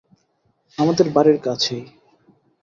আমাদের বাড়ির কাছেই।